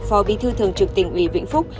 phò bi thư thường trực tỉnh uỷ vĩnh phúc